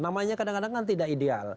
namanya kadang kadang kan tidak ideal